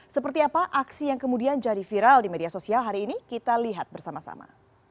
seperti apa aksi yang kemudian jadi viral di media sosial hari ini kita lihat bersama sama